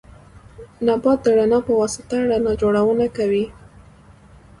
نبات د رڼا په واسطه رڼا جوړونه کوي